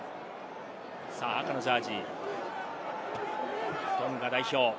赤のジャージー、トンガ代表。